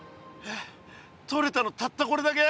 とれたのたったこれだけ？